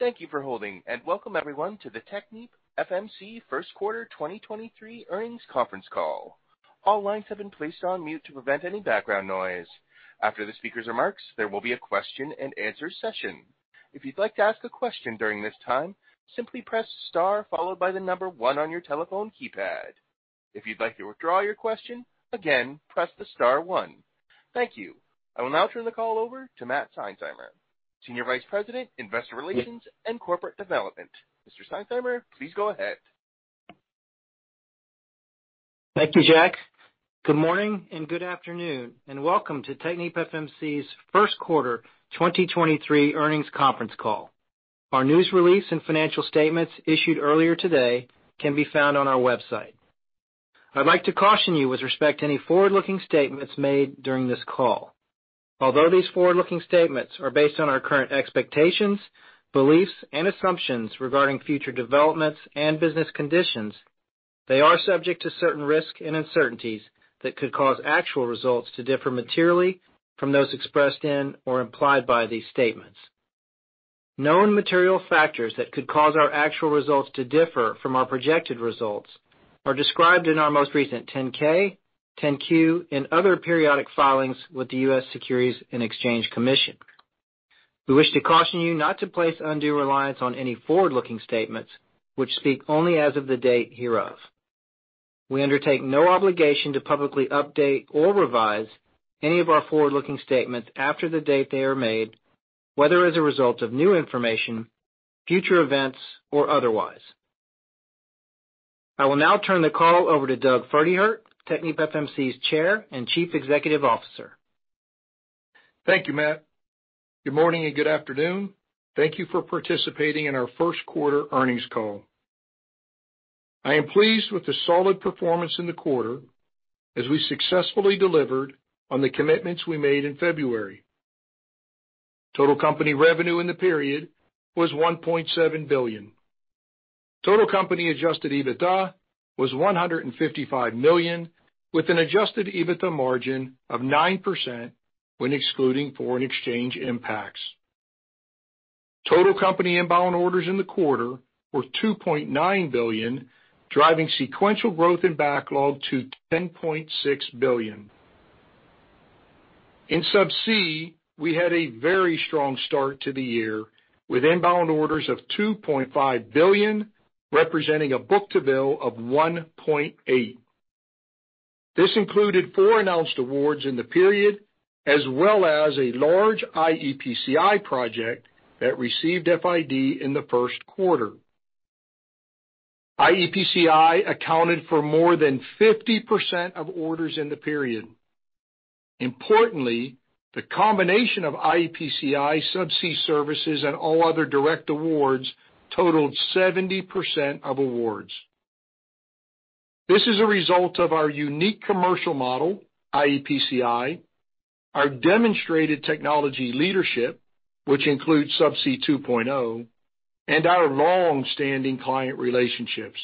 Thank you for holding. Welcome everyone to the TechnipFMC first quarter 2023 earnings conference call. All lines have been placed on mute to prevent any background noise. After the speaker's remarks, there will be a question and answer session. If you'd like to ask a question during this time, simply press star followed by one on your telephone keypad. If you'd like to withdraw your question, again, press the star one. Thank you. I will now turn the call over to Matt Seinsheimer, Senior Vice President, Investor Relations and Corporate Development. Mr. Seinsheimer, please go ahead. Thank you, Jack. Good morning and good afternoon, welcome to TechnipFMC's 1st quarter 2023 earnings conference call. Our news release and financial statements issued earlier today can be found on our website. I'd like to caution you with respect to any forward-looking statements made during this call. Although these forward-looking statements are based on our current expectations, beliefs, and assumptions regarding future developments and business conditions, they are subject to certain risks and uncertainties that could cause actual results to differ materially from those expressed in or implied by these statements. Known material factors that could cause our actual results to differ from our projected results are described in our most recent 10-K, 10-Q, and other periodic filings with the US Securities and Exchange Commission. We wish to caution you not to place undue reliance on any forward-looking statements which speak only as of the date hereof. We undertake no obligation to publicly update or revise any of our forward-looking statements after the date they are made, whether as a result of new information, future events, or otherwise. I will now turn the call over to Doug Pferdehirt, TechnipFMC's Chair and Chief Executive Officer. Thank you, Matt. Good morning and good afternoon. Thank you for participating in our first quarter earnings call. I am pleased with the solid performance in the quarter as we successfully delivered on the commitments we made in February. Total company revenue in the period was $1.7 billion. Total company adjusted EBITDA was $155 million, with an adjusted EBITDA margin of 9% when excluding foreign exchange impacts. Total company inbound orders in the quarter were $2.9 billion, driving sequential growth and backlog to $10.6 billion. In Subsea, we had a very strong start to the year, with inbound orders of $2.5 billion, representing a book-to-bill of 1.8. This included four announced awards in the period, as well as a large iEPCI project that received FID in the first quarter. iEPCI accounted for more than 50% of orders in the period. Importantly, the combination of iEPCI, Subsea Services, and all other direct awards totaled 70% of awards. This is a result of our unique commercial model, iEPCI, our demonstrated technology leadership, which includes Subsea 2.0, and our long-standing client relationships,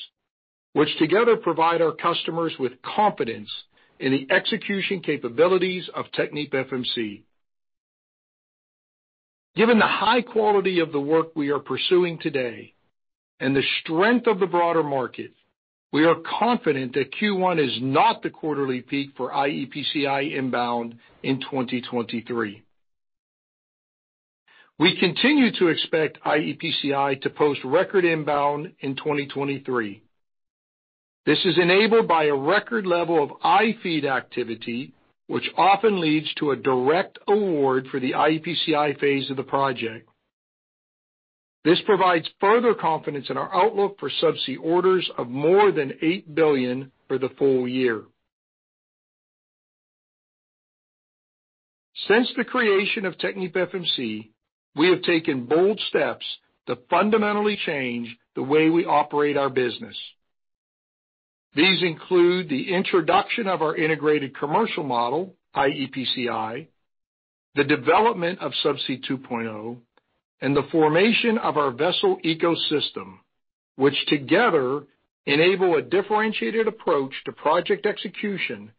which together provide our customers with confidence in the execution capabilities of TechnipFMC. Given the high quality of the work we are pursuing today and the strength of the broader market, we are confident that Q1 is not the quarterly peak for iEPCI inbound in 2023. We continue to expect iEPCI to post record inbound in 2023. This is enabled by a record level of iFEED activity, which often leads to a direct award for the iEPCI phase of the project. This provides further confidence in our outlook for Subsea orders of more than $8 billion for the full year. Since the creation of TechnipFMC, we have taken bold steps to fundamentally change the way we operate our business. These include the introduction of our integrated commercial model, iEPCI, the development of Subsea 2.0, and the formation of our vessel ecosystem, which together enable a differentiated approach to project execution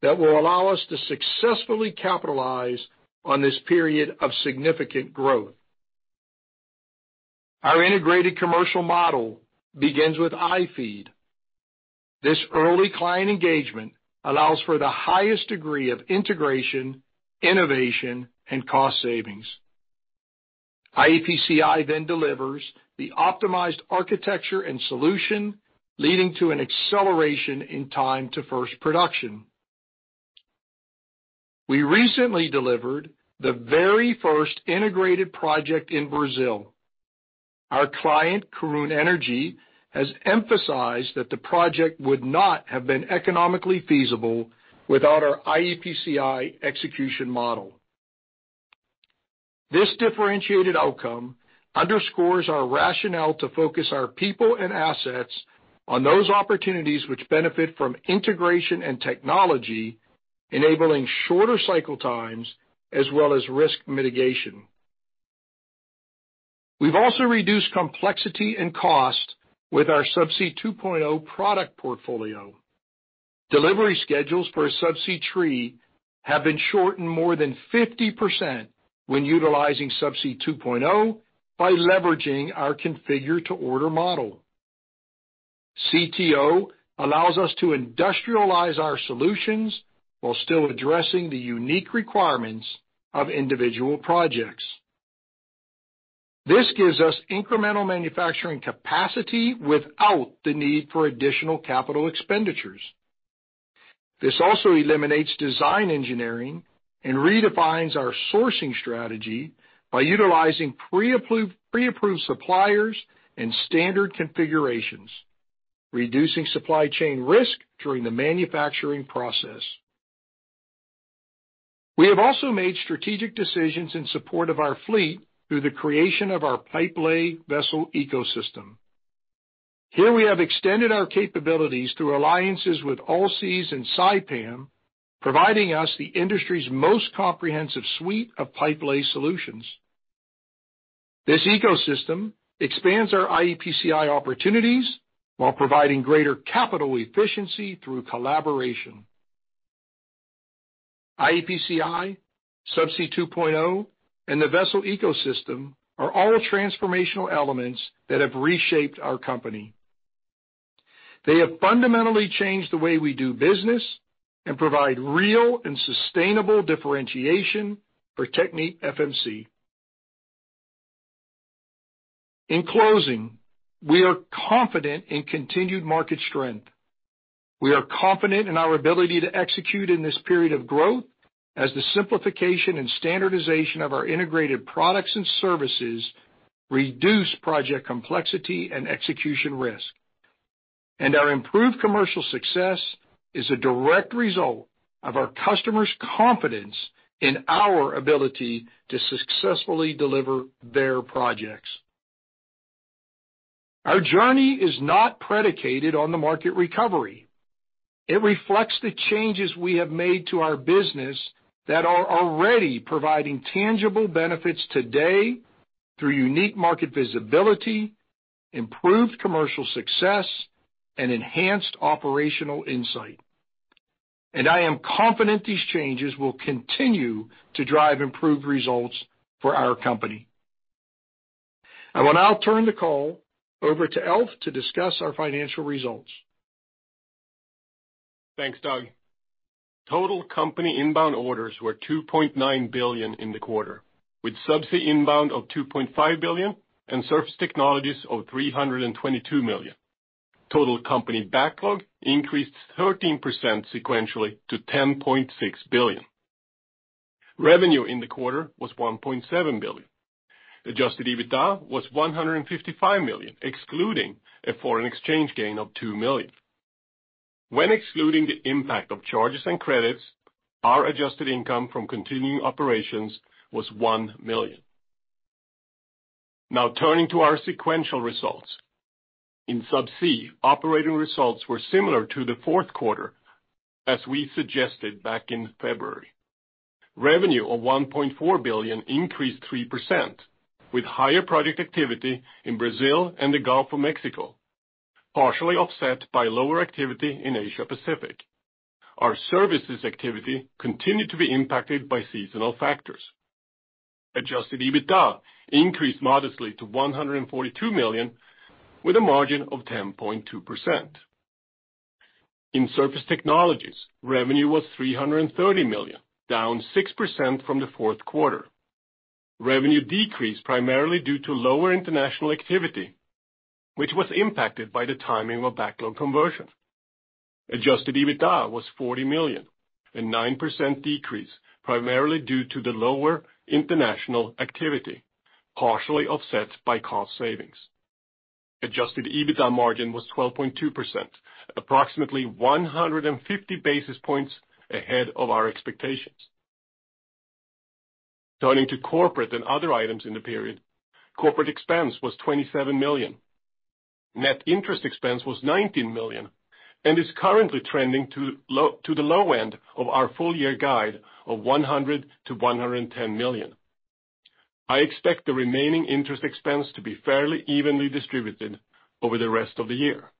that will allow us to successfully capitalize on this period of significant growth. Our integrated commercial model begins with iFEED. This early client engagement allows for the highest degree of integration, innovation, and cost savings. iEPCI delivers the optimized architecture and solution, leading to an acceleration in time to first production. We recently delivered the very first integrated project in Brazil. Our client, Karoon Energy, has emphasized that the project would not have been economically feasible without our iEPCI execution model. This differentiated outcome underscores our rationale to focus our people and assets on those opportunities which benefit from integration and technology, enabling shorter cycle times as well as risk mitigation. We've also reduced complexity and cost with our Subsea 2.0® product portfolio. Delivery schedules for a subsea tree have been shortened more than 50% when utilizing Subsea 2.0® by leveraging our configure-to-order model. CTO allows us to industrialize our solutions while still addressing the unique requirements of individual projects. This gives us incremental manufacturing capacity without the need for additional capital expenditures. This also eliminates design engineering and redefines our sourcing strategy by utilizing pre-approved suppliers and standard configurations, reducing supply chain risk during the manufacturing process. We have also made strategic decisions in support of our fleet through the creation of our pipelay vessel ecosystem. Here we have extended our capabilities through alliances with Allseas and Saipem, providing us the industry's most comprehensive suite of pipelay solutions. This ecosystem expands our iEPCI opportunities while providing greater capital efficiency through collaboration. iEPCI, Subsea 2.0, and the vessel ecosystem are all transformational elements that have reshaped our company. They have fundamentally changed the way we do business and provide real and sustainable differentiation for TechnipFMC. In closing, we are confident in continued market strength. We are confident in our ability to execute in this period of growth as the simplification and standardization of our integrated products and services reduce project complexity and execution risk. Our improved commercial success is a direct result of our customers' confidence in our ability to successfully deliver their projects. Our journey is not predicated on the market recovery. It reflects the changes we have made to our business that are already providing tangible benefits today through unique market visibility, improved commercial success, and enhanced operational insight. I am confident these changes will continue to drive improved results for our company. I will now turn the call over to Alf to discuss our financial results. Thanks, Doug. Total company inbound orders were $2.9 billion in the quarter, with Subsea inbound of $2.5 billion and Surface Technologies of $322 million. Total company backlog increased 13% sequentially to $10.6 billion. Revenue in the quarter was $1.7 billion. Adjusted EBITDA was $155 million, excluding a foreign exchange gain of $2 million. When excluding the impact of charges and credits, our adjusted income from continuing operations was $1 million. Turning to our sequential results. In Subsea, operating results were similar to the fourth quarter as we suggested back in February. Revenue of $1.4 billion increased 3%, with higher project activity in Brazil and the Gulf of Mexico, partially offset by lower activity in Asia Pacific. Our services activity continued to be impacted by seasonal factors. Adjusted EBITDA increased modestly to $142 million, with a margin of 10.2%. In Surface Technologies, revenue was $330 million, down 6% from the fourth quarter. Revenue decreased primarily due to lower international activity, which was impacted by the timing of backlog conversion. Adjusted EBITDA was $40 million, a 9% decrease, primarily due to the lower international activity, partially offset by cost savings. Adjusted EBITDA margin was 12.2%, approximately 150 basis points ahead of our expectations. Turning to corporate and other items in the period. Corporate expense was $27 million. Net interest expense was $19 million and is currently trending to the low end of our full year guide of $100 million-$110 million. I expect the remaining interest expense to be fairly evenly distributed over the rest of the year.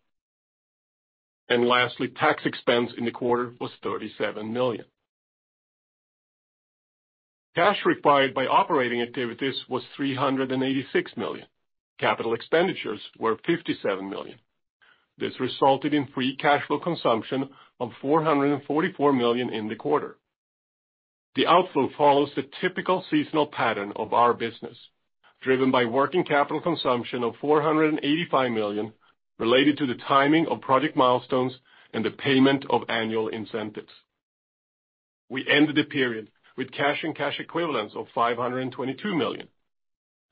Lastly, tax expense in the quarter was $37 million. Cash required by operating activities was $386 million. Capital expenditures were $57 million. This resulted in free cash flow consumption of $444 million in the quarter. The outflow follows the typical seasonal pattern of our business, driven by working capital consumption of $485 million related to the timing of project milestones and the payment of annual incentives. We ended the period with cash and cash equivalents of $522 million.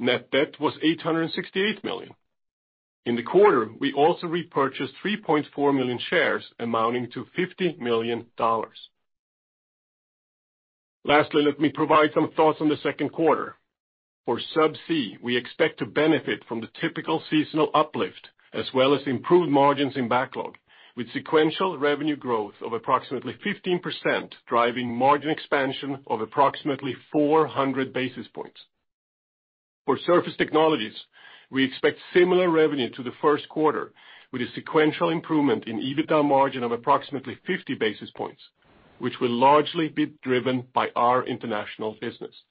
Net debt was $868 million. In the quarter, we also repurchased 3.4 million shares amounting to $50 million. Lastly, let me provide some thoughts on the second quarter. For Subsea, we expect to benefit from the typical seasonal uplift as well as improved margins in backlog, with sequential revenue growth of approximately 15% driving margin expansion of approximately 400 basis points. For Surface Technologies, we expect similar revenue to the first quarter, with a sequential improvement in EBITDA margin of approximately 50 basis points, which will largely be driven by our international business.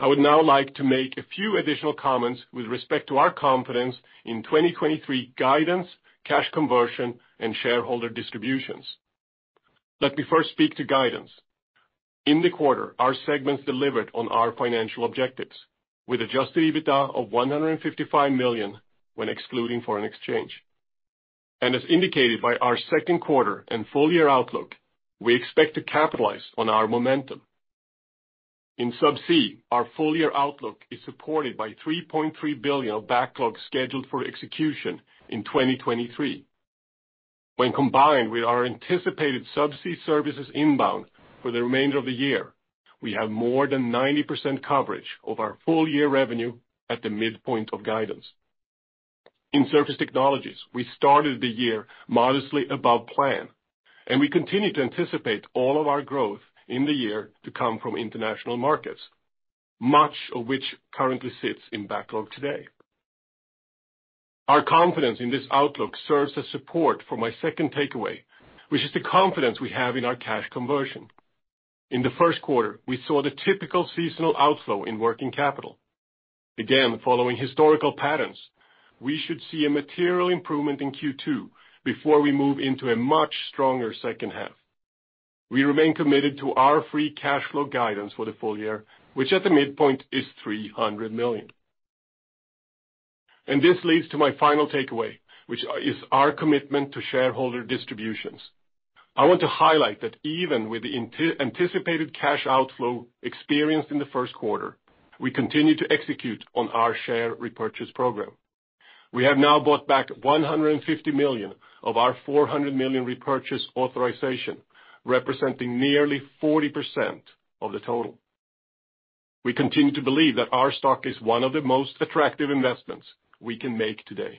I would now like to make a few additional comments with respect to our confidence in 2023 guidance, cash conversion, and shareholder distributions. Let me first speak to guidance. In the quarter, our segments delivered on our financial objectives with adjusted EBITDA of $155 million when excluding foreign exchange. As indicated by our second quarter and full year outlook, we expect to capitalize on our momentum. In Subsea, our full year outlook is supported by $3.3 billion of backlogs scheduled for execution in 2023. When combined with our anticipated Subsea services inbound for the remainder of the year, we have more than 90% coverage of our full year revenue at the midpoint of guidance. In Surface Technologies, we started the year modestly above plan. We continue to anticipate all of our growth in the year to come from international markets, much of which currently sits in backlog today. Our confidence in this outlook serves as support for my second takeaway, which is the confidence we have in our cash conversion. In the first quarter, we saw the typical seasonal outflow in working capital. Again, following historical patterns, we should see a material improvement in Q2 before we move into a much stronger second half. We remain committed to our free cash flow guidance for the full year, which at the midpoint is $300 million. This leads to my final takeaway, which is our commitment to shareholder distributions. I want to highlight that even with the anticipated cash outflow experienced in the first quarter, we continue to execute on our share repurchase program. We have now bought back $150 million of our $400 million repurchase authorization, representing nearly 40% of the total. We continue to believe that our stock is one of the most attractive investments we can make today.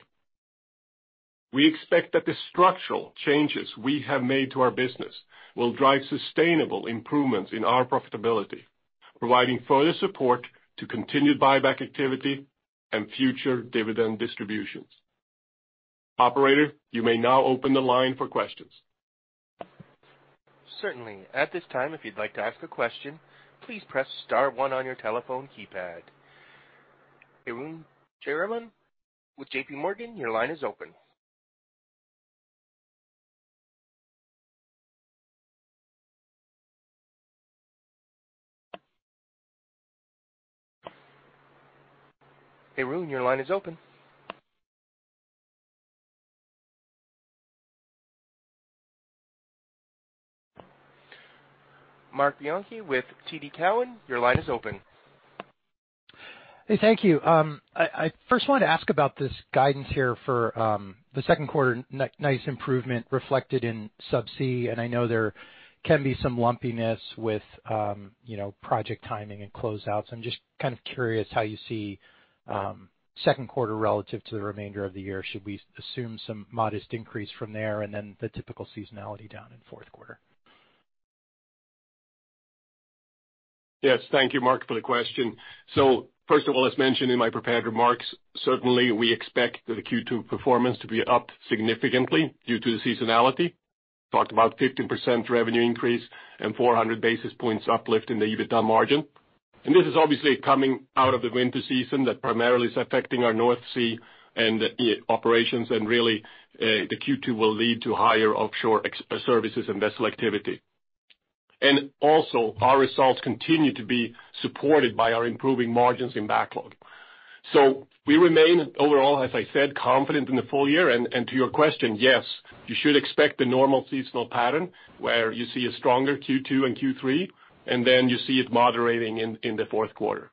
We expect that the structural changes we have made to our business will drive sustainable improvements in our profitability, providing further support to continued buyback activity and future dividend distributions. Operator, you may now open the line for questions. Certainly. At this time, if you'd like to ask a question, please press star one on your telephone keypad. Arun Jayaram with JP Morgan, your line is open. Arun, your line is open. Marc Bianchi with TD Cowen, your line is open. Hey, thank you. I first want to ask about this guidance here for the second quarter. Nice improvement reflected in Subsea, and I know there can be some lumpiness with, you know, project timing and closeouts. I'm just kind of curious how you see second quarter relative to the remainder of the year. Should we assume some modest increase from there and then the typical seasonality down in fourth quarter? Yes, thank you, Mark, for the question. First of all, as mentioned in my prepared remarks, certainly we expect the Q2 performance to be up significantly due to the seasonality. Talked about 15% revenue increase and 400 basis points uplift in the EBITDA margin. This is obviously coming out of the winter season that primarily is affecting our North Sea and e-operations. Really, the Q2 will lead to higher offshore ex-services and vessel activity. Also, our results continue to be supported by our improving margins in backlog. We remain overall, as I said, confident in the full year. To your question, yes, you should expect the normal seasonal pattern where you see a stronger Q2 and Q3, and then you see it moderating in the fourth quarter.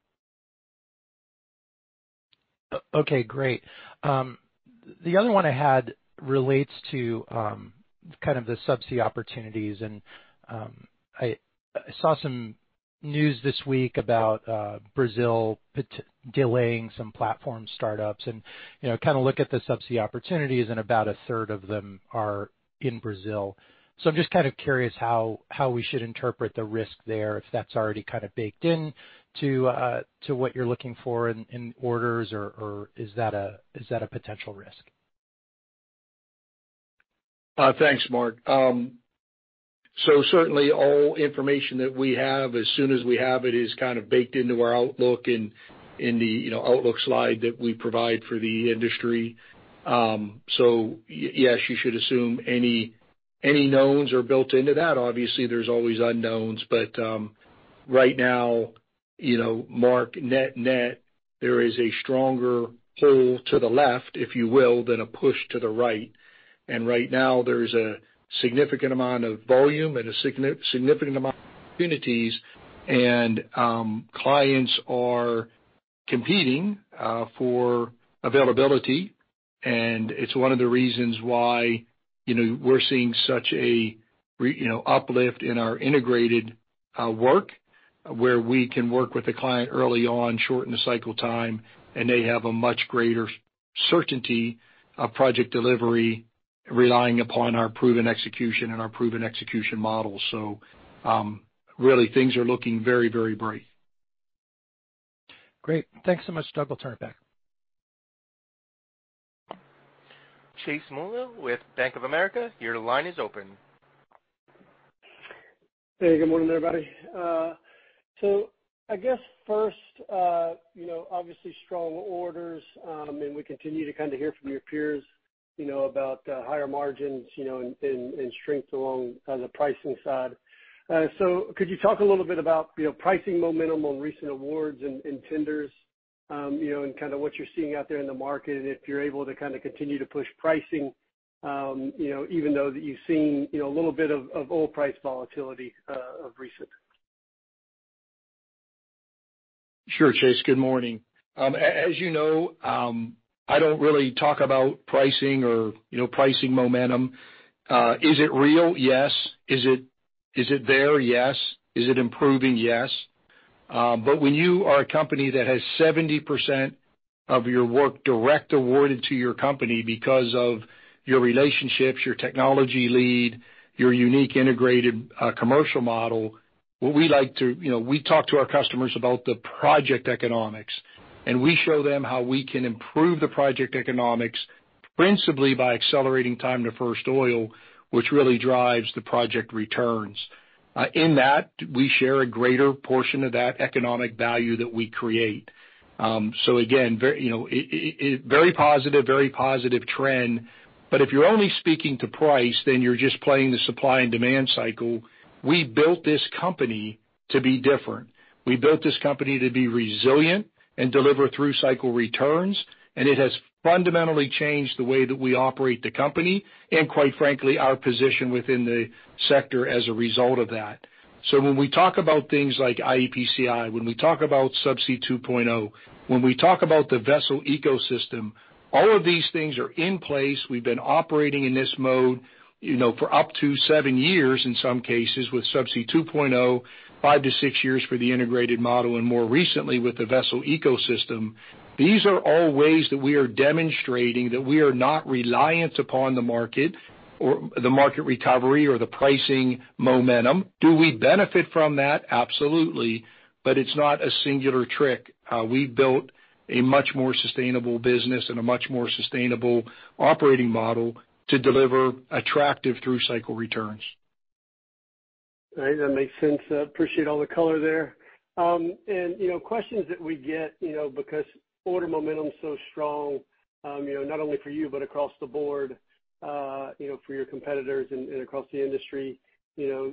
Okay, great. The other one I had relates to kind of the Subsea opportunities. I saw some news this week about Brazil delaying some platform startups and, you know, kind of look at the Subsea opportunities and about a third of them are in Brazil. I'm just kind of curious how we should interpret the risk there, if that's already kind of baked in to what you're looking for in orders or is that a, is that a potential risk? Thanks, Mark. Certainly all information that we have, as soon as we have it, is kind of baked into our outlook in the, you know, outlook slide that we provide for the industry. Yes, you should assume any knowns are built into that. Obviously, there's always unknowns, but right now, you know, Mark, net, there is a stronger pull to the left, if you will, than a push to the right. Right now there's a significant amount of volume and a significant amount of opportunities and clients are competing for availability. It's one of the reasons why, you know, we're seeing such a uplift in our integrated work, where we can work with the client early on, shorten the cycle time, and they have a much greater certainty of project delivery. Relying upon our proven execution and our proven execution model. Really things are looking very, very bright. Great. Thanks so much, Doug. I'll turn it back. Chase Mulvehill with Bank of America, your line is open. Hey, good morning, everybody. I guess first, you know, obviously strong orders, and we continue to kind of hear from your peers, you know, about higher margins, you know, and strength along on the pricing side. Could you talk a little bit about, you know, pricing momentum on recent awards and tenders, you know, and kinda what you're seeing out there in the market, and if you're able to kinda continue to push pricing, you know, even though that you've seen, you know, a little bit of oil price volatility, of recent? Sure, Chase. Good morning. As you know, I don't really talk about pricing or, you know, pricing momentum. Is it real? Yes. Is it there? Yes. Is it improving? Yes. When you are a company that has 70% of your work direct awarded to your company because of your relationships, your technology lead, your unique integrated commercial model, you know, we talk to our customers about the project economics, we show them how we can improve the project economics principally by accelerating time to first oil, which really drives the project returns. In that, we share a greater portion of that economic value that we create. Again, very, you know, very positive, very positive trend. If you're only speaking to price, then you're just playing the supply and demand cycle. We built this company to be different. We built this company to be resilient and deliver through-cycle returns, and it has fundamentally changed the way that we operate the company and quite frankly, our position within the sector as a result of that. When we talk about things like iEPCI, when we talk about Subsea 2.0, when we talk about the vessel ecosystem, all of these things are in place. We've been operating in this mode, you know, for up to 7 years in some cases with Subsea 2.0, 5-6 years for the integrated model, and more recently with the vessel ecosystem. These are all ways that we are demonstrating that we are not reliant upon the market or the market recovery or the pricing momentum. Do we benefit from that? Absolutely. It's not a singular trick. We built a much more sustainable business and a much more sustainable operating model to deliver attractive through-cycle returns. Right. That makes sense. I appreciate all the color there. You know, questions that we get, you know, because order momentum is so strong, you know, not only for you, but across the board, you know, for your competitors and across the industry. You know,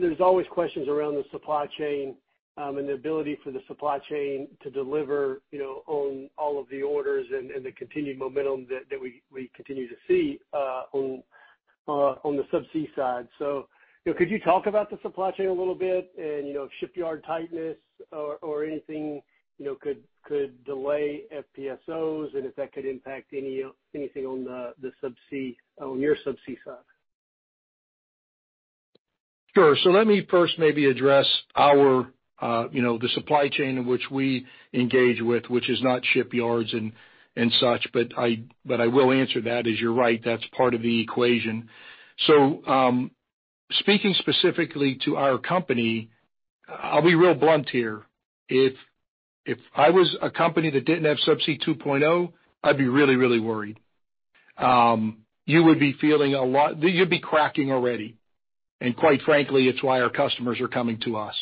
there's always questions around the supply chain, and the ability for the supply chain to deliver, you know, on all of the orders and the continued momentum that we continue to see, on the subsea side. You know, could you talk about the supply chain a little bit and, you know, shipyard tightness or anything, you know, could delay FPSOs and if that could impact anything on the subsea on your subsea side? Sure. Let me first maybe address our, you know, the supply chain in which we engage with, which is not shipyards and such, but I will answer that, as you're right, that's part of the equation. Speaking specifically to our company, I'll be real blunt here. If I was a company that didn't have Subsea 2.0, I'd be really, really worried. You would be cracking already. Quite frankly, it's why our customers are coming to us.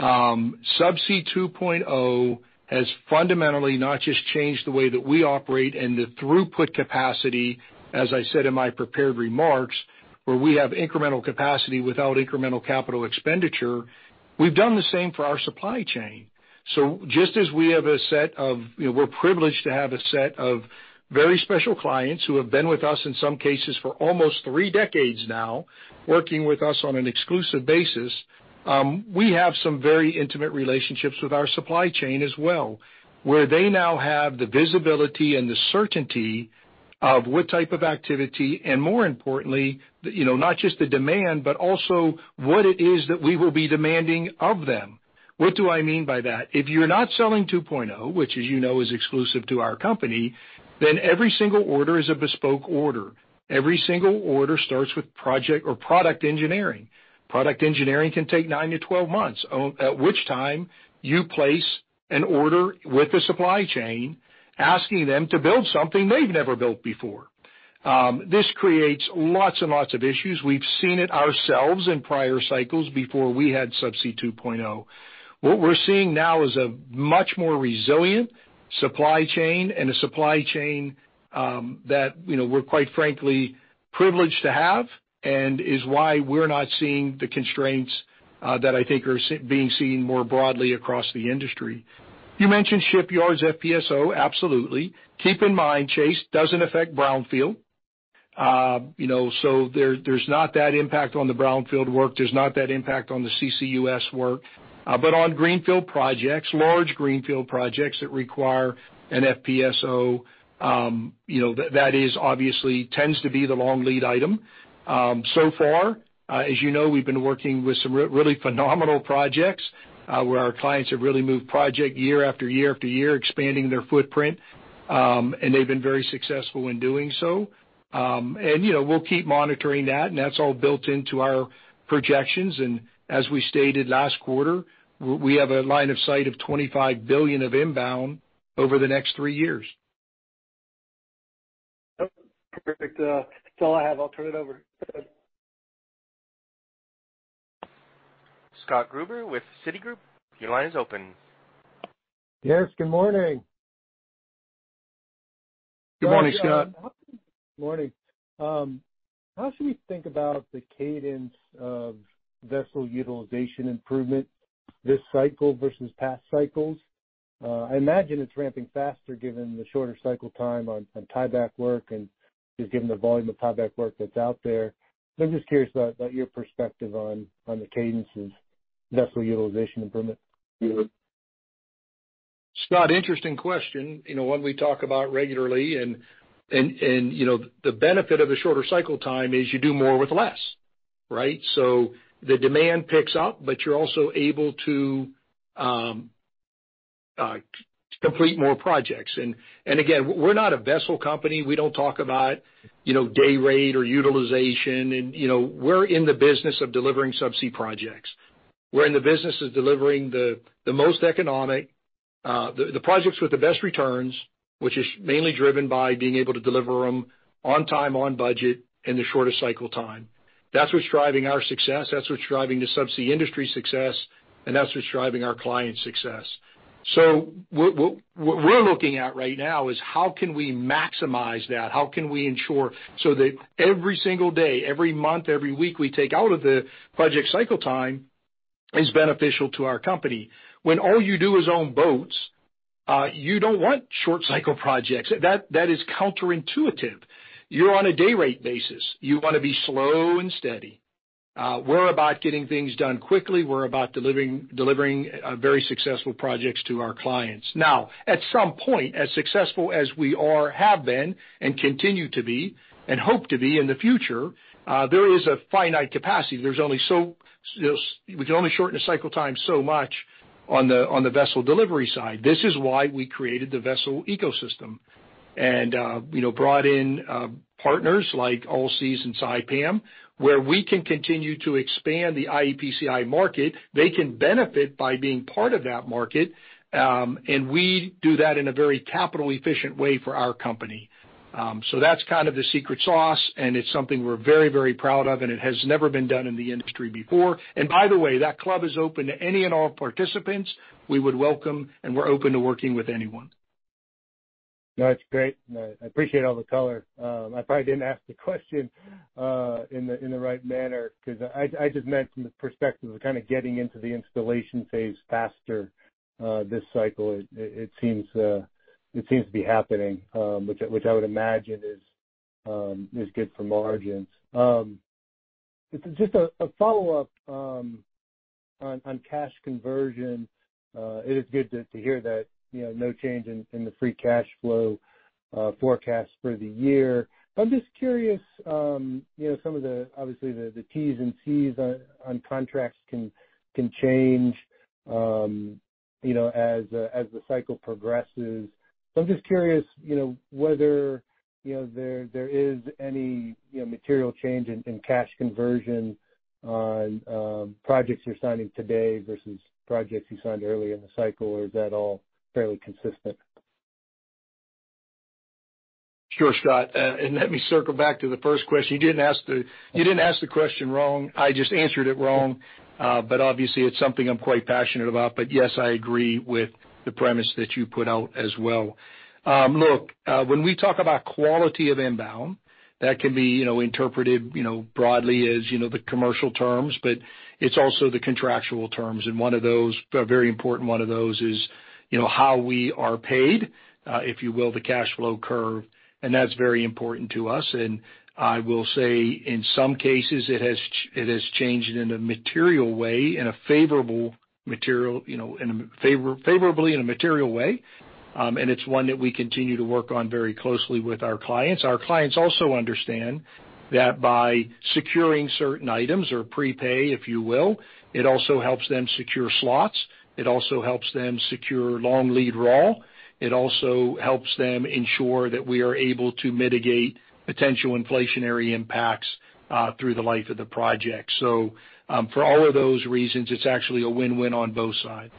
Subsea 2.0 has fundamentally not just changed the way that we operate and the throughput capacity, as I said in my prepared remarks, where we have incremental capacity without incremental capital expenditure, we've done the same for our supply chain. Just as we're privileged to have a set of very special clients who have been with us in some cases for almost three decades now, working with us on an exclusive basis, we have some very intimate relationships with our supply chain as well, where they now have the visibility and the certainty of what type of activity and more importantly, you know, not just the demand, but also what it is that we will be demanding of them. What do I mean by that? If you're not selling 2.0, which as you know, is exclusive to our company, then every single order is a bespoke order. Every single order starts with project or product engineering. Product engineering can take nine to 12 months, at which time you place an order with the supply chain, asking them to build something they've never built before. This creates lots and lots of issues. We've seen it ourselves in prior cycles before we had Subsea 2.0. What we're seeing now is a much more resilient supply chain and a supply chain that, you know, we're quite frankly privileged to have and is why we're not seeing the constraints that I think are being seen more broadly across the industry. You mentioned shipyards FPSO, absolutely. Keep in mind, Chase, doesn't affect brownfield. You know, there's not that impact on the brownfield work. There's not that impact on the CCUS work. On greenfield projects, large greenfield projects that require an FPSO, you know, that is obviously tends to be the long lead item. So far, as you know, we've been working with some really phenomenal projects, where our clients have really moved project year after year, expanding their footprint, they've been very successful in doing so. You know, we'll keep monitoring that's all built into our projections. As we stated last quarter, we have a line of sight of $25 billion of inbound over the next three years. Perfect. That's all I have. I'll turn it over. Scott Gruber with Citigroup, your line is open. Yes, good morning. Good morning, Scott. Morning. How should we think about the cadence of vessel utilization improvement this cycle versus past cycles? I imagine it's ramping faster given the shorter cycle time on tieback work and just given the volume of tieback work that's out there. I'm just curious about your perspective on the cadences vessel utilization improvement. Scott, interesting question. You know, one we talk about regularly and, you know, the benefit of a shorter cycle time is you do more with less, right? The demand picks up, but you're also able to complete more projects. Again, we're not a vessel company. We don't talk about, you know, day rate or utilization and, you know, we're in the business of delivering subsea projects. We're in the business of delivering the most economic, the projects with the best returns, which is mainly driven by being able to deliver them on time, on budget in the shortest cycle time. That's what's driving our success, that's what's driving the subsea industry success, and that's what's driving our client success. What we're looking at right now is how can we maximize that? How can we ensure so that every single day, every month, every week we take out of the project cycle time is beneficial to our company? When all you do is own boats, you don't want short cycle projects. That is counterintuitive. You're on a day rate basis. You wanna be slow and steady. We're about getting things done quickly. We're about delivering very successful projects to our clients. Now, at some point, as successful as we are, have been, and continue to be and hope to be in the future, there is a finite capacity. We can only shorten the cycle time so much on the vessel delivery side. This is why we created the vessel ecosystem and, you know, brought in partners like Allseas and Saipem, where we can continue to expand the iEPCI market. They can benefit by being part of that market, and we do that in a very capital efficient way for our company. That's kind of the secret sauce, and it's something we're very, very proud of, and it has never been done in the industry before. By the way, that club is open to any and all participants. We would welcome, and we're open to working with anyone. No, that's great. No, I appreciate all the color. I probably didn't ask the question in the right manner because I just meant from the perspective of kind of getting into the installation phase faster this cycle. It seems to be happening, which I would imagine is good for margins. Just a follow-up on cash conversion. It is good to hear that, you know, no change in the free cash flow forecast for the year. I'm just curious, you know, some of the, obviously the T's and C's on contracts can change, you know, as the cycle progresses. I'm just curious, you know, whether, you know, there is any, you know, material change in cash conversion on projects you're signing today versus projects you signed early in the cycle, or is that all fairly consistent? Sure, Scott, and let me circle back to the first question. You didn't ask the question wrong. I just answered it wrong. Obviously it's something I'm quite passionate about, but yes, I agree with the premise that you put out as well. Look, when we talk about quality of inbound, that can be, you know, interpreted, you know, broadly as, you know, the commercial terms, but it's also the contractual terms. One of those, a very important one of those is, you know, how we are paid, if you will, the cash flow curve, and that's very important to us. I will say in some cases it has changed in a material way, in a favorable material, you know, favorably in a material way. It's one that we continue to work on very closely with our clients. Our clients also understand that by securing certain items or prepay, if you will, it also helps them secure slots. It also helps them secure long lead raw. It also helps them ensure that we are able to mitigate potential inflationary impacts through the life of the project. For all of those reasons, it's actually a win-win on both sides.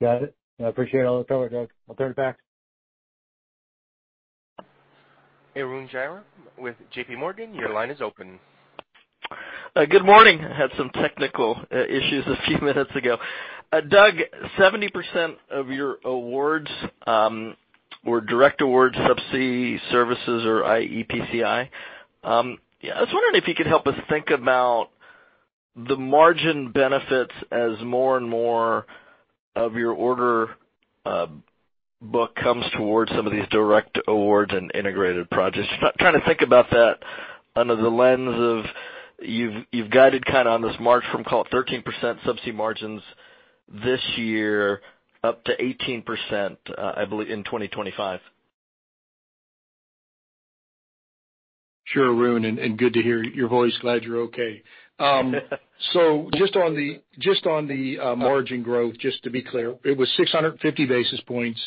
Got it. I appreciate all the color, Doug. I'll turn it back. Arun Jayaram with JP Morgan, your line is open. Good morning. Had some technical issues a few minutes ago. Doug, 70% of your awards were direct awards subsea services or iEPCI. I was wondering if you could help us think about the margin benefits as more and more of your order book comes towards some of these direct awards and integrated projects. Trying to think about that under the lens of you've guided kind of on this march from, call it 13% subsea margins this year up to 18%, I believe in 2025. Sure, Arun, good to hear your voice. Glad you're okay. Just on the margin growth, just to be clear, it was 650 basis points,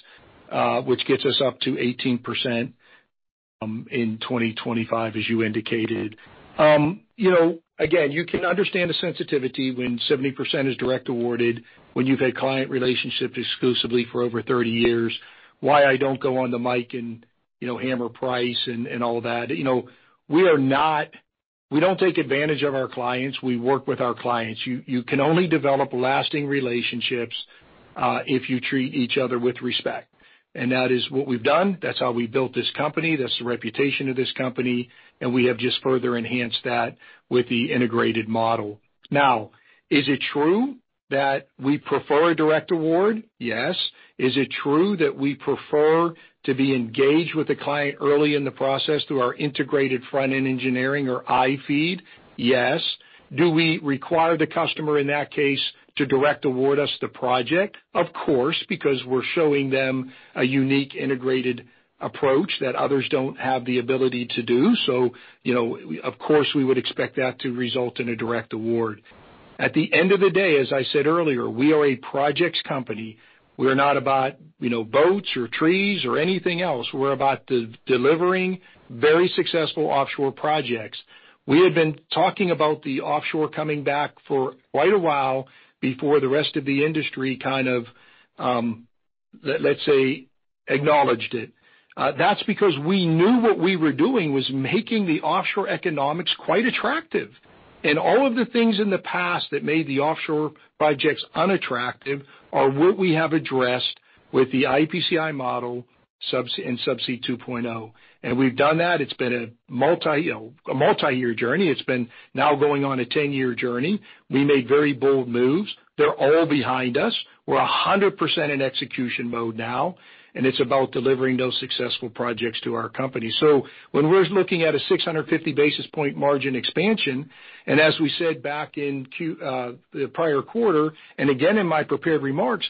which gets us up to 18%. In 2025, as you indicated. You know, again, you can understand the sensitivity when 70% is direct awarded, when you've had client relationships exclusively for over 30 years, why I don't go on the mic and, you know, hammer price and all that. You know, we don't take advantage of our clients. We work with our clients. You can only develop lasting relationships, if you treat each other with respect. That is what we've done. That's how we built this company. That's the reputation of this company. We have just further enhanced that with the integrated model. Is it true that we prefer a direct award? Yes. Is it true that we prefer to be engaged with the client early in the process through our integrated front-end engineering or iFEED? Yes. Do we require the customer in that case to direct award us the project? Of course, because we're showing them a unique integrated approach that others don't have the ability to do. You know, of course, we would expect that to result in a direct award. At the end of the day, as I said earlier, we are a projects company. We are not about, you know, boats or trees or anything else. We're about de-delivering very successful offshore projects. We have been talking about the offshore coming back for quite a while before the rest of the industry kind of, let's say, acknowledged it. That's because we knew what we were doing was making the offshore economics quite attractive. All of the things in the past that made the offshore projects unattractive are what we have addressed with the iEPCI model in Subsea 2.0. We've done that. It's been a multi, you know, a multi-year journey. It's been now going on a 10-year journey. We made very bold moves. They're all behind us. We're 100% in execution mode now, and it's about delivering those successful projects to our company. When we're looking at a 650 basis point margin expansion, and as we said back in the prior quarter, and again in my prepared remarks,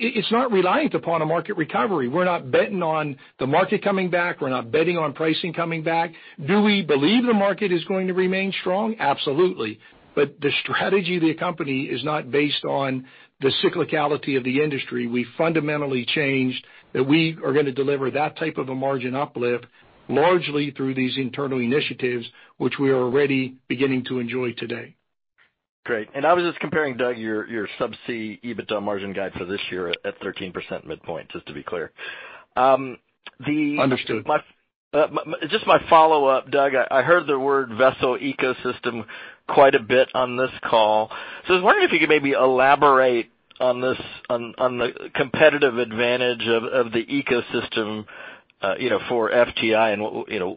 it's not reliant upon a market recovery. We're not betting on the market coming back. We're not betting on pricing coming back. Do we believe the market is going to remain strong? Absolutely. The strategy of the company is not based on the cyclicality of the industry. We fundamentally changed that we are gonna deliver that type of a margin uplift largely through these internal initiatives, which we are already beginning to enjoy today. Great. I was just comparing, Doug, your subsea EBITDA margin guide for this year at 13% midpoint, just to be clear. Understood. My follow-up, Doug, I heard the word vessel ecosystem quite a bit on this call. I was wondering if you could maybe elaborate on this, on the competitive advantage of the ecosystem, you know, for FTI and you know,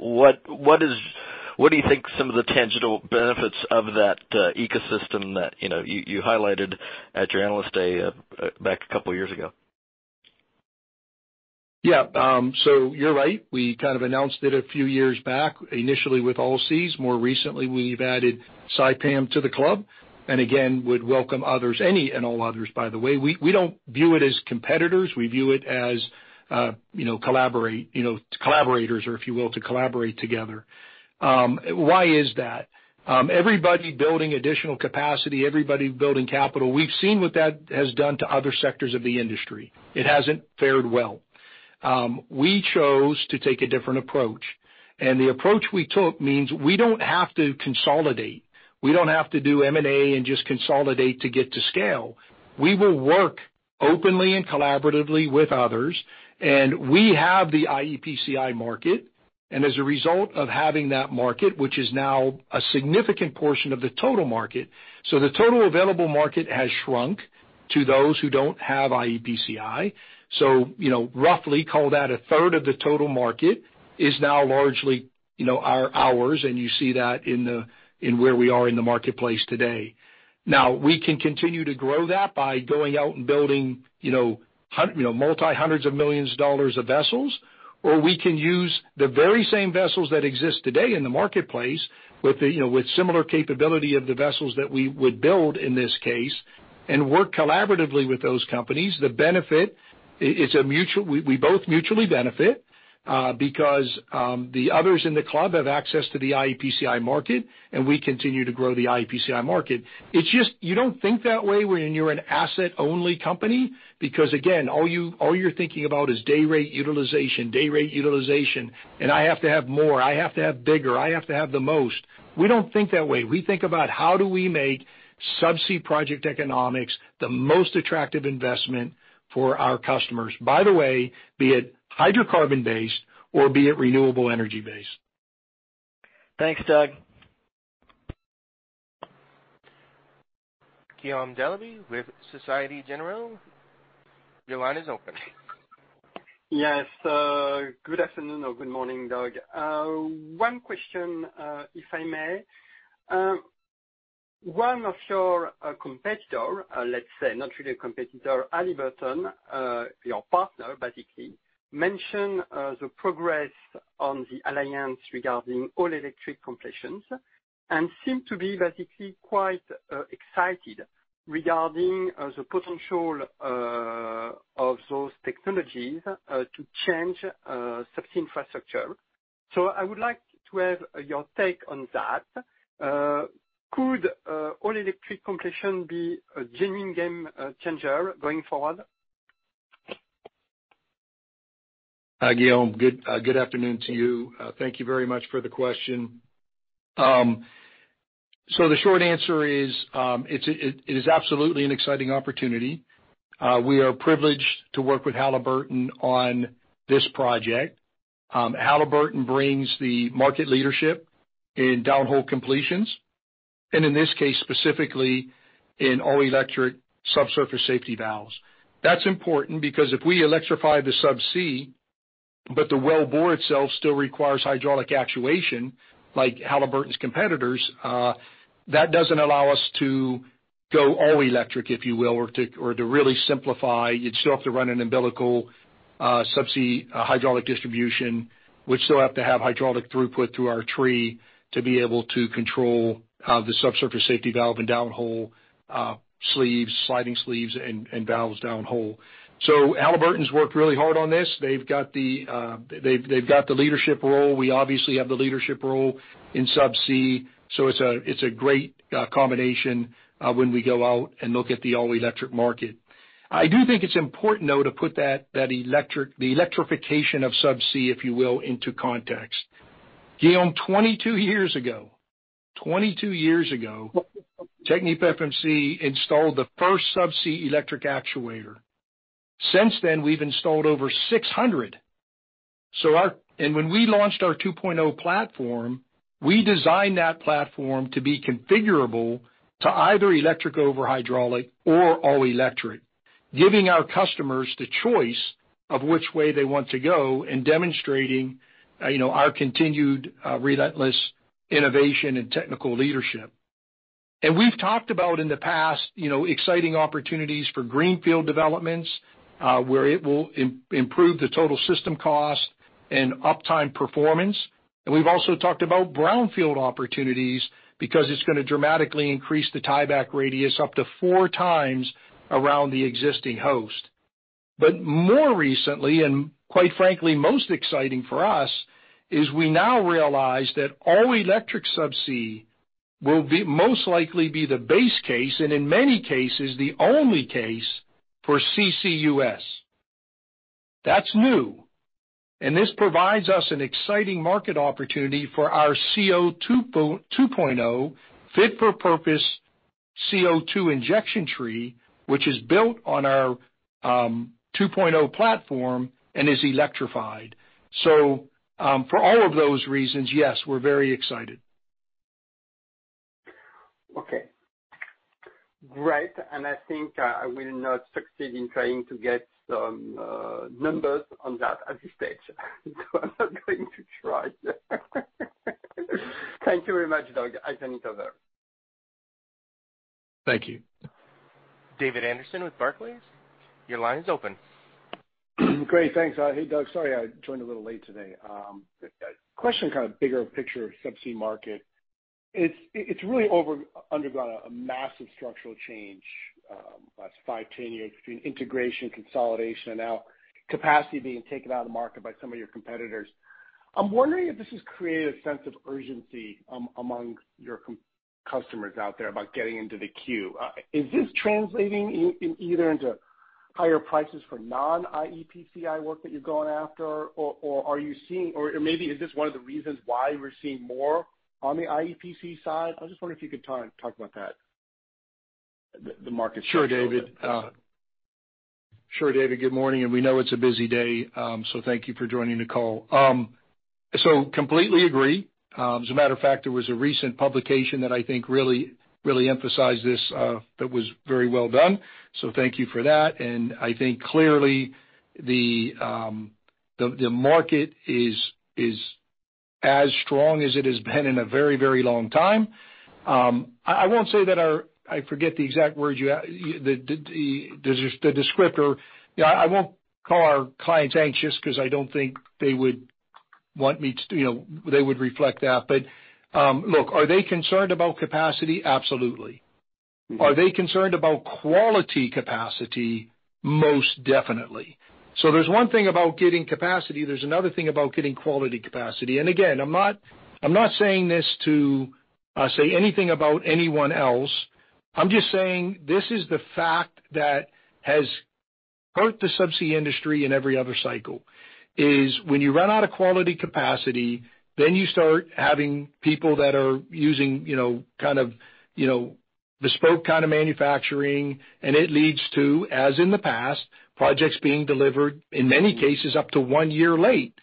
what do you think some of the tangible benefits of that ecosystem that, you know, you highlighted at your Analyst Day back a couple years ago? You're right. We kind of announced it a few years back, initially with Allseas. More recently, we've added Saipem to the club, would welcome others, any and all others, by the way. We don't view it as competitors. We view it as, you know, collaborate, you know, collaborators or if you will, to collaborate together. Why is that? Everybody building additional capacity, everybody building capital. We've seen what that has done to other sectors of the industry. It hasn't fared well. We chose to take a different approach. The approach we took means we don't have to consolidate. We don't have to do M&A and just consolidate to get to scale. We will work openly and collaboratively with others. We have the iEPCI market. As a result of having that market, which is now a significant portion of the total market, the total available market has shrunk to those who don't have iEPCI. You know, roughly call that a third of the total market is now largely, you know, our, ours, and you see that in where we are in the marketplace today. We can continue to grow that by going out and building, you know, multi-hundreds of millions of dollars of vessels, or we can use the very same vessels that exist today in the marketplace with the, you know, with similar capability of the vessels that we would build in this case and work collaboratively with those companies. The benefit we both mutually benefit because the others in the club have access to the iEPCI market, and we continue to grow the iEPCI market. It's just you don't think that way when you're an asset-only company because again, all you're thinking about is day rate utilization, day rate utilization, and I have to have more, I have to have bigger, I have to have the most. We don't think that way. We think about how do we make subsea project economics the most attractive investment for our customers, by the way, be it hydrocarbon-based or be it renewable energy-based. Thanks, Doug. Guillaume Delaby with Société Générale. Your line is open. Yes. Good afternoon or good morning, Doug. One question, if I may. One of your competitor, let's say not really a competitor, Halliburton, your partner, basically, mentioned the progress on the alliance regarding all-electric completions and seem to be basically quite excited regarding the potential of those technologies to change subsea infrastructure. I would like to have your take on that. Could all-electric completion be a genuine game changer going forward? Hi Guillaume. Good afternoon to you. Thank you very much for the question. The short answer is, it is absolutely an exciting opportunity. We are privileged to work with Halliburton on this project. Halliburton brings the market leadership in down-hole completions, and in this case, specifically in all-electric subsurface safety valves. That's important because if we electrify the subsea, but the wellbore itself still requires hydraulic actuation like Halliburton's competitors, that doesn't allow us to go all electric, if you will, or to really simplify. You'd still have to run an umbilical, subsea hydraulic distribution, which still have to have hydraulic throughput through our tree to be able to control the subsurface safety valve and down-hole sleeves, sliding sleeves and valves down hole. Halliburton's worked really hard on this. They've got the leadership role. We obviously have the leadership role in subsea, so it's a great combination when we go out and look at the all-electric market. I do think it's important, though, to put that the electrification of subsea, if you will, into context. Guillaume, 22 years ago, 22 years ago, TechnipFMC installed the first subsea electric actuator. Since then, we've installed over 600. When we launched our 2.0 platform, we designed that platform to be configurable to either electric over hydraulic or all-electric, giving our customers the choice of which way they want to go and demonstrating, you know, our continued relentless innovation and technical leadership. We've talked about in the past, you know, exciting opportunities for greenfield developments, where it will improve the total system cost and uptime performance. We've also talked about brownfield opportunities because it's gonna dramatically increase the tieback radius up to four times around the existing host. More recently, and quite frankly, most exciting for us, is we now realize that all-electric subsea most likely be the base case and in many cases, the only case for CCUS. That's new, this provides us an exciting market opportunity for our CO2.0 fit-for-purpose CO2 injection tree, which is built on our, 2.0 platform and is electrified. For all of those reasons, yes, we're very excited. Okay, great. I think I will not succeed in trying to get some numbers on that at this stage, so I'm not going to try. Thank you very much, Doug. I turn it over. Thank you. David Anderson with Barclays, your line is open. Great, thanks. Hey, Doug. Sorry I joined a little late today. Question, kind of bigger picture subsea market. It's really undergone a massive structural change, last 5, 10 years between integration, consolidation, and now capacity being taken out of the market by some of your competitors. I'm wondering if this has created a sense of urgency among your customers out there about getting into the queue. Is this translating either into higher prices for non-iEPCI work that you're going after? Or are you seeing... Or maybe is this one of the reasons why we're seeing more on the iEPCI side? I was just wondering if you could talk about that, the market structure a little bit. Sure, David. Sure, David. Good morning. We know it's a busy day, so thank you for joining the call. Completely agree. As a matter of fact, there was a recent publication that I think really emphasized this, that was very well done. Thank you for that. I think clearly the market is as strong as it has been in a very, very long time. I won't say that I forget the exact words you asked. The descriptor. Yeah, I won't call our clients anxious 'cause I don't think they would want me to, you know, they would reflect that. Look, are they concerned about capacity? Absolutely. Are they concerned about quality capacity? Most definitely. There's one thing about getting capacity, there's another thing about getting quality capacity. Again, I'm not saying this to say anything about anyone else. I'm just saying this is the fact that has hurt the subsea industry in every other cycle, is when you run out of quality capacity, then you start having people that are using, you know, kind of, you know, bespoke kind of manufacturing, and it leads to, as in the past, projects being delivered, in many cases, up to one year late.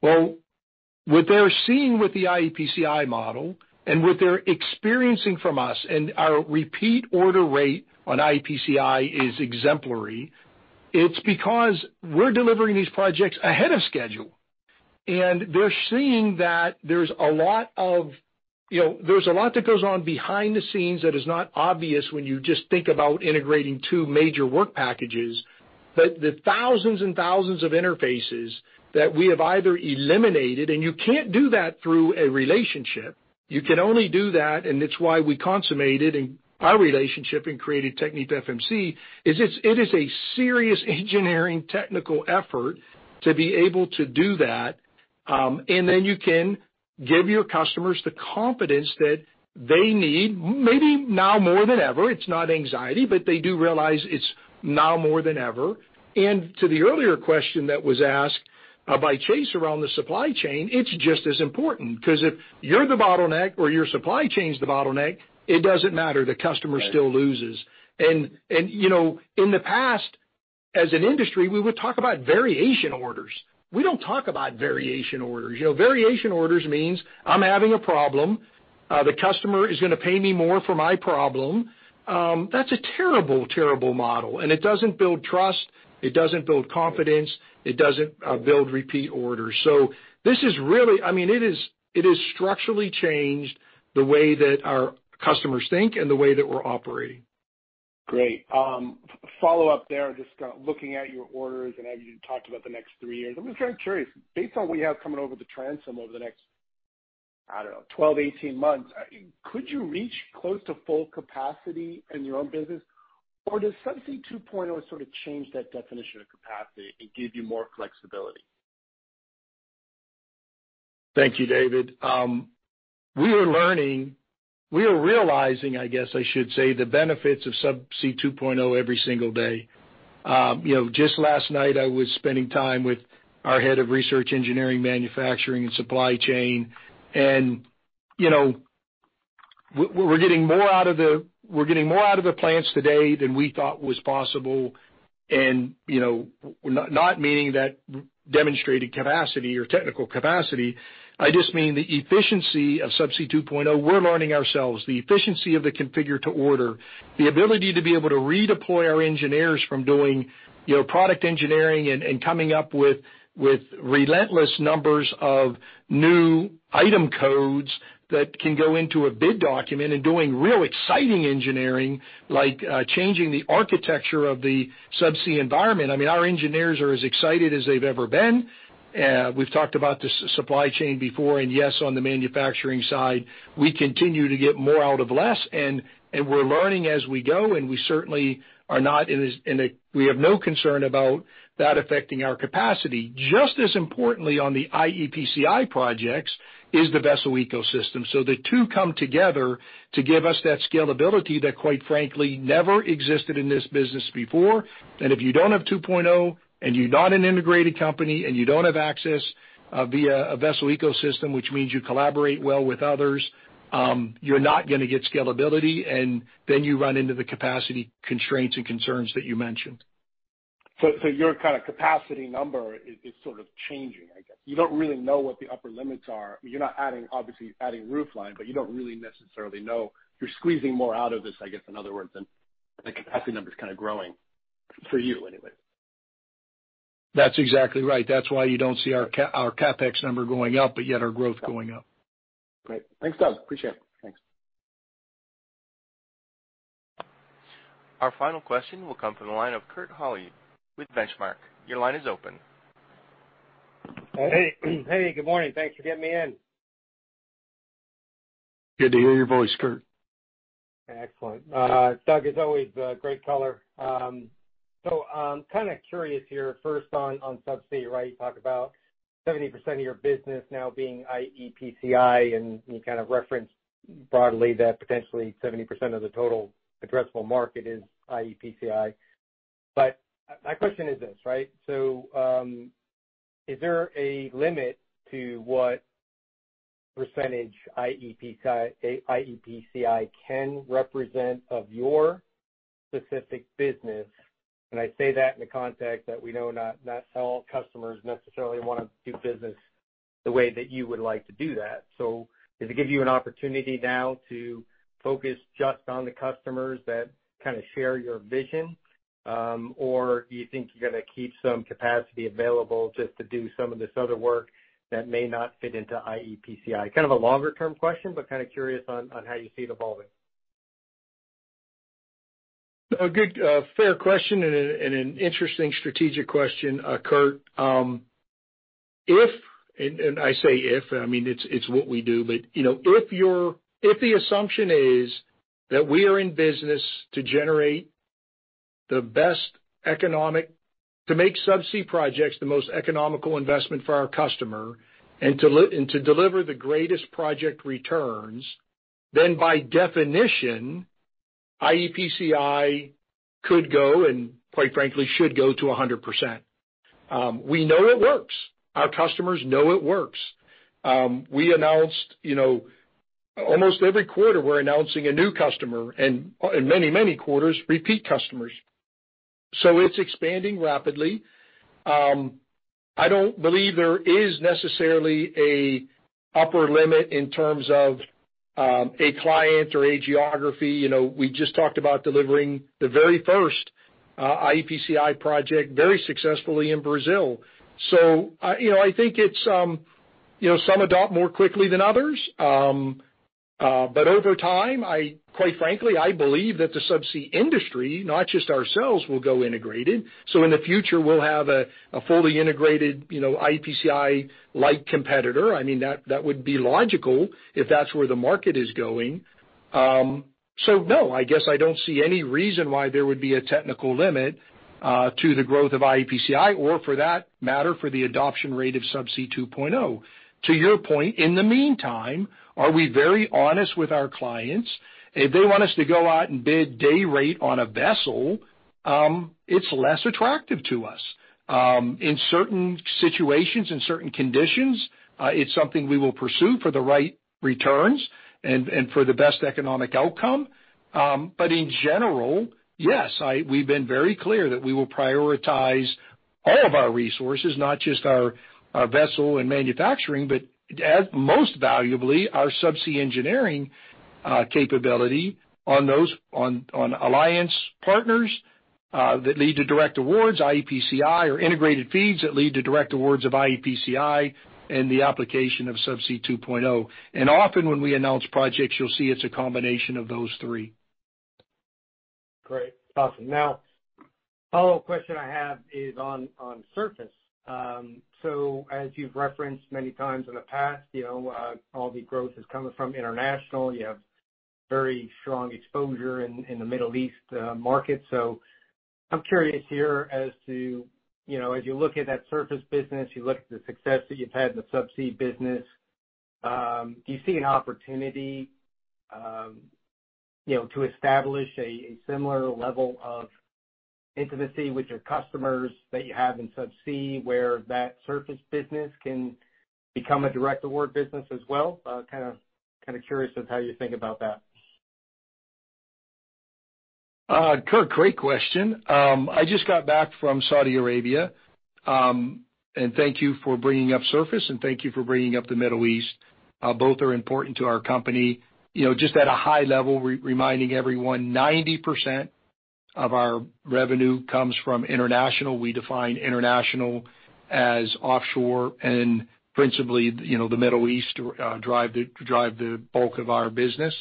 What they're seeing with the iEPCI model and what they're experiencing from us, our repeat order rate on iEPCI is exemplary, it's because we're delivering these projects ahead of schedule. They're seeing that there's a lot of, you know, there's a lot that goes on behind the scenes that is not obvious when you just think about integrating two major work packages. The thousands and thousands of interfaces that we have either eliminated, and you can't do that through a relationship. You can only do that, and it's why we consummated in our relationship in creating TechnipFMC, it is a serious engineering technical effort to be able to do that. Then you can give your customers the confidence that they need maybe now more than ever. It's not anxiety, they do realize it's now more than ever. To the earlier question that was asked by Chase around the supply chain, it's just as important 'cause if you're the bottleneck or your supply chain's the bottleneck, it doesn't matter, the customer still loses. You know, in the past, as an industry, we would talk about variation orders. We don't talk about variation orders. You know, variation orders means I'm having a problem, the customer is gonna pay me more for my problem. That's a terrible model, and it doesn't build trust, it doesn't build confidence, it doesn't build repeat orders. This is really, I mean, it is structurally changed the way that our customers think and the way that we're operating. Great. follow-up there, just, looking at your orders and as you talked about the next 3 years, I'm just kind of curious, based on what you have coming over the transom over the next, I don't know, 12, 18 months, could you reach close to full capacity in your own business? Or does Subsea 2.0 sort of change that definition of capacity and give you more flexibility? Thank you, David. We are realizing, I guess I should say, the benefits of Subsea 2.0 every single day. You know, just last night, I was spending time with our head of research, engineering, manufacturing, and supply chain. You know, we're getting more out of the plants today than we thought was possible. You know, not meaning that demonstrated capacity or technical capacity, I just mean the efficiency of Subsea 2.0, we're learning ourselves. The efficiency of the configure-to-order, the ability to be able to redeploy our engineers from doing, you know, product engineering and coming up with relentless numbers of new item codes that can go into a bid document and doing real exciting engineering, like changing the architecture of the subsea environment. I mean, our engineers are as excited as they've ever been. We've talked about the supply chain before, and yes, on the manufacturing side, we continue to get more out of less, and we're learning as we go, and we certainly are not in a we have no concern about that affecting our capacity. Just as importantly on the iEPCI projects is the vessel ecosystem. The two come together to give us that scalability that quite frankly never existed in this business before. If you don't have 2.0, and you're not an integrated company, and you don't have access via a vessel ecosystem, which means you collaborate well with others, you're not gonna get scalability, and then you run into the capacity constraints and concerns that you mentioned. Your kind of capacity number is sort of changing, I guess. You don't really know what the upper limits are. You're not obviously adding roof line, but you don't really necessarily know. You're squeezing more out of this, I guess, in other words, and the capacity number is kind of growing for you anyway. That's exactly right. That's why you don't see our CapEx number going up, yet our growth going up. Great. Thanks, Doug. Appreciate it. Thanks. Our final question will come from the line of Kurt Hallead with Benchmark. Your line is open. Hey. Hey, good morning. Thanks for getting me in. Good to hear your voice, Kurt. Excellent. Doug, as always, great color. Kind of curious here first on Subsea, right? You talk about 70% of your business now being iEPCI, and you kind of referenced broadly that potentially 70% of the total addressable market is iEPCI. My question is this, right? Is there a limit to what percentage iEPCI can represent of your specific business? I say that in the context that we know not all customers necessarily want to do business the way that you would like to do that. Does it give you an opportunity now to focus just on the customers that kind of share your vision? Or do you think you're going to keep some capacity available just to do some of this other work that may not fit into iEPCI? Kind of a longer-term question, but kind of curious on how you see it evolving. A good, a fair question and an interesting strategic question, Kurt. If, and I say if, I mean, it's what we do, but, you know, if the assumption is that we are in business to make Subsea projects the most economical investment for our customer and to deliver the greatest project returns, then by definition, iEPCI could go, and quite frankly, should go to 100%. We know it works. Our customers know it works. We announced, you know, almost every quarter, we're announcing a new customer, and many, many quarters, repeat customers. It's expanding rapidly. I don't believe there is necessarily an upper limit in terms of a client or a geography. You know, we just talked about delivering the very first iEPCI project very successfully in Brazil. You know, I think it's, you know, some adopt more quickly than others. But over time, I quite frankly, I believe that the subsea industry, not just ourselves, will go integrated. In the future, we'll have a fully integrated, you know, iEPCI-like competitor. I mean, that would be logical if that's where the market is going. No, I guess I don't see any reason why there would be a technical limit to the growth of iEPCI or for that matter, for the adoption rate of Subsea 2.0. To your point, in the meantime, are we very honest with our clients? If they want us to go out and bid day rate on a vessel, it's less attractive to us. In certain situations, in certain conditions, it's something we will pursue for the right returns and for the best economic outcome. In general, yes, we've been very clear that we will prioritize all of our resources, not just our vessel and manufacturing, but as most valuably, our subsea engineering capability on alliance partners that lead to direct awards, iEPCI or integrated iFEEDs that lead to direct awards of iEPCI and the application of Subsea 2.0. Often when we announce projects, you'll see it's a combination of those three. Great. Awesome. Follow-up question I have is on Surface. As you've referenced many times in the past, you know, all the growth is coming from international. You have very strong exposure in the Middle East market. I'm curious here as to, you know, as you look at that Surface business, you look at the success that you've had in the subsea business, do you see an opportunity, you know, to establish a similar level of intimacy with your customers that you have in subsea, where that Surface business can become a direct award business as well? Kinda curious of how you think about that. Kirk, great question. I just got back from Saudi Arabia, thank you for bringing up surface, and thank you for bringing up the Middle East. Both are important to our company. You know, just at a high level reminding everyone, 90% of our revenue comes from international. We define international as offshore and principally, you know, the Middle East, drive the bulk of our business.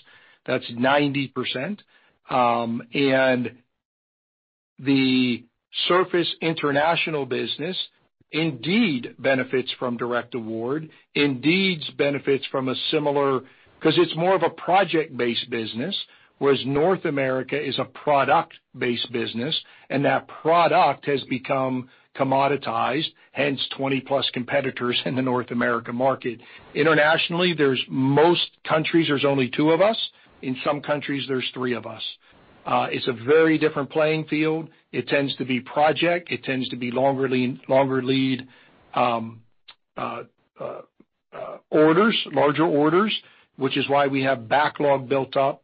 That's 90%. The surface international business indeed benefits from direct award. Indeed benefits from a similar... 'cause it's more of a project-based business, whereas North America is a product-based business, and that product has become commoditized, hence 20-plus competitors in the North America market. Internationally, there's most countries, there's only two of us. In some countries, there's three of us. It's a very different playing field. It tends to be project. It tends to be longer lead orders, larger orders, which is why we have backlog built up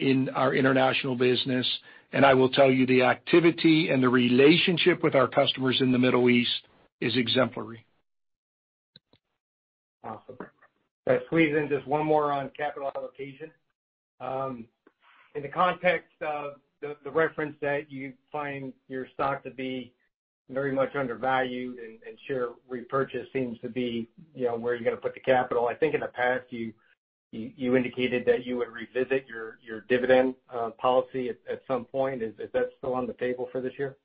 in our international business. I will tell you, the activity and the relationship with our customers in the Middle East is exemplary. Awesome. Can I squeeze in just one more on capital allocation? In the context of the reference that you find your stock to be very much undervalued and share repurchase seems to be, you know, where you're gonna put the capital, I think in the past you indicated that you would revisit your dividend policy at some point. Is that still on the table for this year?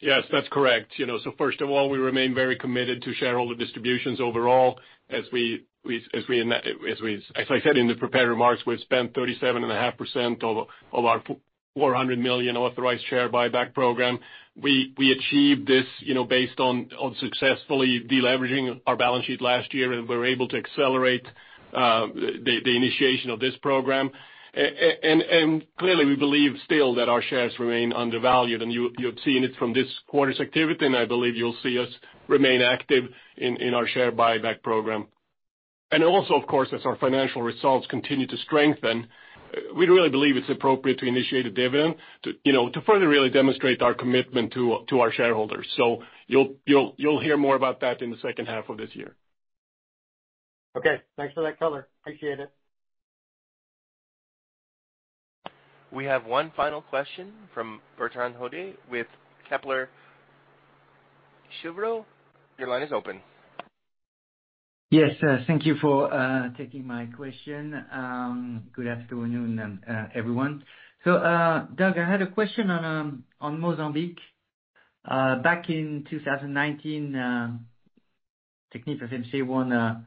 Yes, that's correct. You know, first of all, we remain very committed to shareholder distributions overall. As I said in the prepared remarks, we've spent 37.5% of our $400 million authorized share buyback program. We achieved this, you know, based on successfully de-leveraging our balance sheet last year, and we're able to accelerate the initiation of this program. Clearly, we believe still that our shares remain undervalued, you've seen it from this quarter's activity, I believe you'll see us remain active in our share buyback program. Of course, as our financial results continue to strengthen, we really believe it's appropriate to initiate a dividend to, you know, further really demonstrate our commitment to our shareholders. You'll hear more about that in the second half of this year. Okay. Thanks for that color. Appreciate it. We have one final question from Bertrand Hodee with Kepler Cheuvreux. Your line is open. Yes. Thank you for taking my question. Good afternoon, everyone. Doug, I had a question on Mozambique. Back in 2019, TechnipFMC won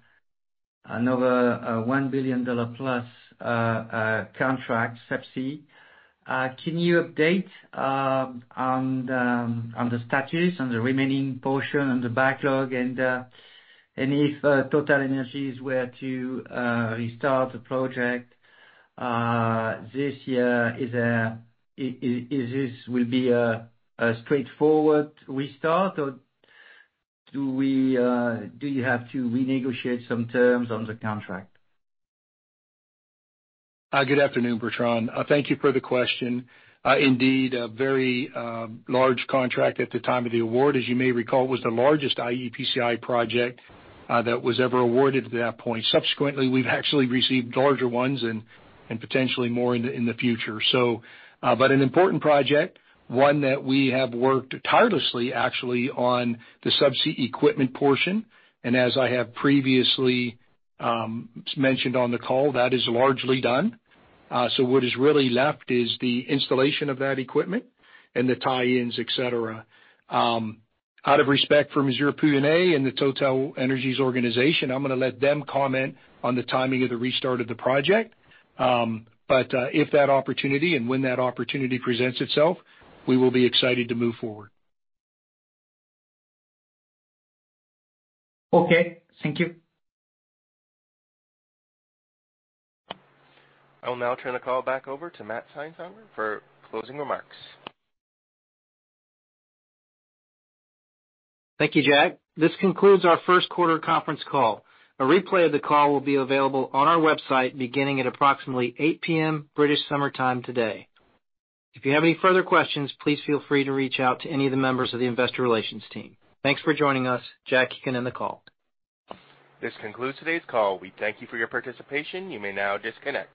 another $1 billion plus subsea contract. Can you update on the status, on the remaining portion, on the backlog, and if TotalEnergies were to restart the project this year, is this will be a straightforward restart, or do you have to renegotiate some terms on the contract? Good afternoon, Bertrand. Thank you for the question. Indeed, a very large contract at the time of the award. As you may recall, it was the largest iEPCI project that was ever awarded at that point. Subsequently, we've actually received larger ones and potentially more in the future. But an important project, one that we have worked tirelessly, actually, on the subsea equipment portion. As I have previously mentioned on the call, that is largely done. What is really left is the installation of that equipment and the tie-ins, et cetera. Out of respect for Monsieur Pouyanné and the TotalEnergies organization, I'm gonna let them comment on the timing of the restart of the project. If that opportunity and when that opportunity presents itself, we will be excited to move forward. Okay. Thank you. I'll now turn the call back over to Matt Seinsheimer for closing remarks. Thank you, Jack. This concludes our first quarter conference call. A replay of the call will be available on our website beginning at approximately 8:00 P.M. British summertime today. If you have any further questions, please feel free to reach out to any of the members of the investor relations team. Thanks for joining us. Jack, you can end the call. This concludes today's call. We thank you for your participation. You may now disconnect.